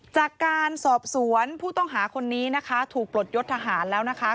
จากการสอบสวนผู้ต้องหาคนนี้นะคะถูกปลดยศทหารแล้วนะคะ